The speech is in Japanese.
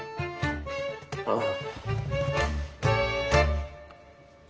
ああ。